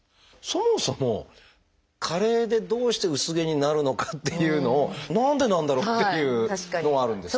そもそも加齢でどうして薄毛になるのかっていうのを何でなんだろうっていうのはあるんですけれども。